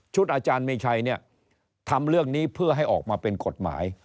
อาจารย์มีชัยเนี่ยทำเรื่องนี้เพื่อให้ออกมาเป็นกฎหมาย